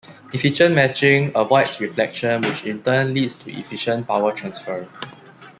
Efficient matching avoids reflection which in turn leads to efficient power transfer.